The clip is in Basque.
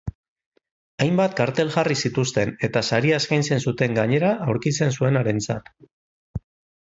Hainbat kartel jarri zituzten eta saria eskaintzen zuten, gainera, aurkitzen zuenarentzat.